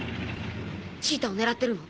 シータを狙ってるの？